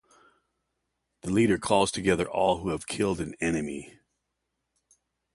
The leader calls together all who have killed an enemy.